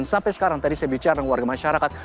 sampai sekarang tadi saya bicara dengan warga masyarakat